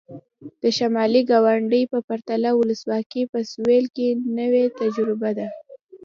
د شمالي ګاونډي په پرتله ولسواکي په سوېل کې نوې تجربه ده.